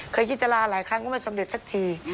ยินตราหลายครั้งก็ไม่สำเร็จสักที